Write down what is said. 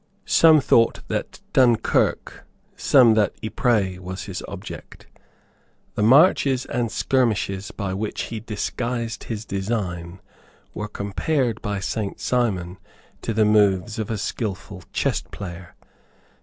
Some thought that Dunkirk, some that Ypres was his object. The marches and skirmishes by which he disguised his design were compared by Saint Simon to the moves of a skilful chess player.